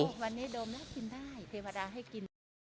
ทุกวันนี้ดมแล้วกินได้เทวดาให้กิน